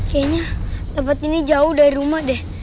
kayaknya tempat ini jauh dari rumah deh